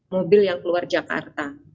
mobil yang keluar jakarta